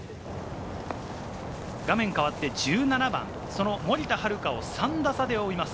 画面変わって１７番、森田遥を３打差で追います。